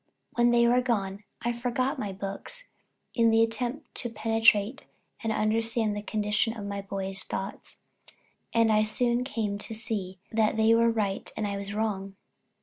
When they were gone, I forgot my books in the attempt to penetrate and understand the condition of my boys' thoughts; and I soon came to see that they were right and I was wrong.